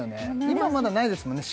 今はまだないですもんね